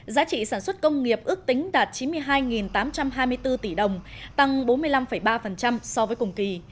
giá trị sản xuất công nghiệp ước tính đạt chín mươi hai tám trăm hai mươi bốn tỷ đồng tăng bốn mươi năm ba so với cùng kỳ